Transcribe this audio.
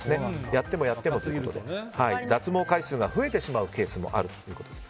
やってもやってもということで脱毛回数が増えてしまうケースもあるということです。